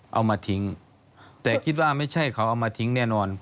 เอามาทิ้งแต่คิดว่าไม่ใช่เขาเอามาทิ้งแน่นอน